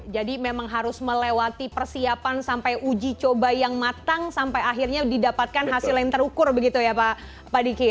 jadi memang harus melewati persiapan sampai uji coba yang matang sampai akhirnya didapatkan hasil yang terukur begitu ya pak diki ya